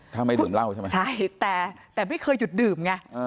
ถ้าไม่ดื่มเหล้าใช่ไหมใช่แต่แต่ไม่เคยหยุดดื่มไง